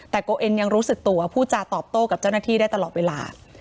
แต่โกเอ็นยังรู้สึกตัวผู้จาตอบโต้กับเจ้าหน้าที่ได้ตลอดเวลา